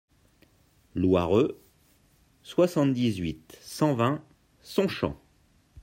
Louareux, soixante-dix-huit, cent vingt Sonchamp